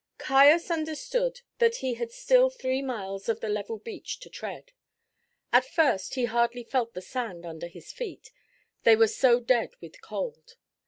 Caius understood that he had still three miles of the level beach to tread. At first he hardly felt the sand under his feet, they were so dead with cold.